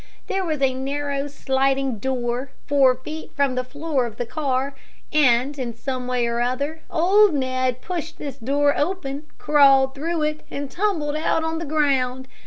There was a narrow, sliding door, four feet from the floor of the car, and, in some way or other, old Ned pushed this door open, crawled through it, and tumbled out on the ground.